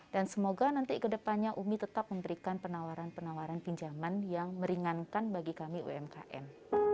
dan semoga nanti kedepannya umi tetap memberikan penawaran penawaran pinjaman yang meringankan bagi kami umkm